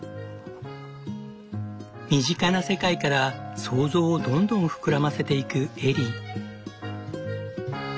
身近な世界から想像をどんどん膨らませていくエリー。